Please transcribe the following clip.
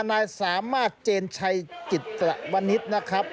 นายสามารถเจนชัยกิจตระวนิษฐ์นะครับ